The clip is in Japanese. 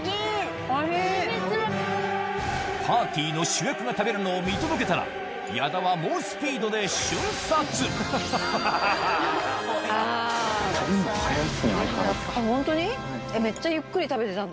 パーティーの主役が食べるのを見届けたら矢田は猛スピードで相変わらず。